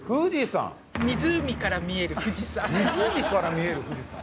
湖から見える富士山？